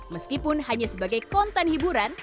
meskipun hanya sebagai konten hiburan